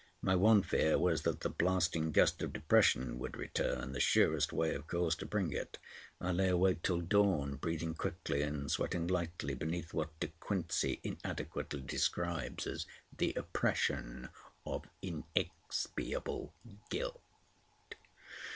My one fear was that the blasting gust of depression would return—the surest way, of course, to bring it. I lay awake till dawn, breathing quickly and sweating lightly, beneath what De Quincey inadequately describes as "the oppression of inexpiable guilt."